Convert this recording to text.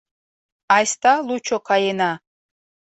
Айста лучо каена